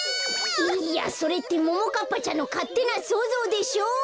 いいやそれってももかっぱちゃんのかってなそうぞうでしょ！